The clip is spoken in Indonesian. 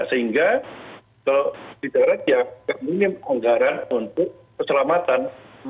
sehingga kalau di darat ya kemudian anggaran untuk keselamatan